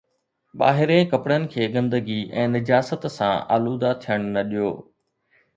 ٻاهرين ڪپڙن کي گندگي ۽ نجاست سان آلوده ٿيڻ نه ڏيو.